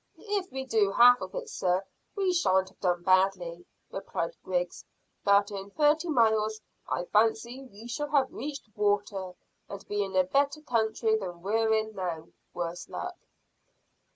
"If we do half of it, sir, we shan't have done badly," replied Griggs; "but in thirty miles I fancy we shall have reached water, and be in a better country than we're in now, worse luck."